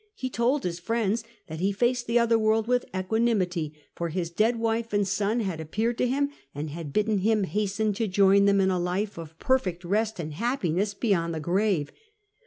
He told his friends that he faced the other world with equanimity, for his dead wife and son had appeared to him and had hidden him hasten to join them in a life of perfect rest and happiness beyond the grave.